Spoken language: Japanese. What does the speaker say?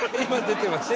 出てます。